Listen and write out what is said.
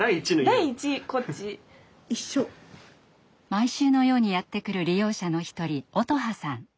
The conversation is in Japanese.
毎週のようにやって来る利用者の一人音羽さん。